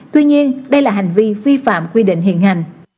tuy nhiên đây là hành vi vi phạm quy định hiện hành